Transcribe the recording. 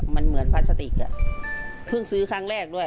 มันเหมือนพลาสติกเพิ่งซื้อครั้งแรกด้วย